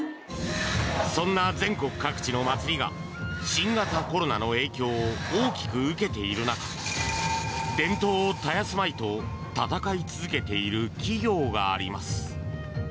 そんな全国各地の祭りが新型コロナの影響を大きく受けている中伝統を絶やすまいと戦い続けている企業があります。